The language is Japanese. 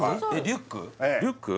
リュック？